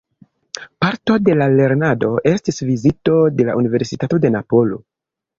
Parto de la lernado estis vizito de la Universitato de Napolo.